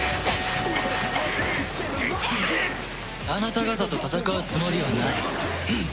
あなた方と戦うつもりはない。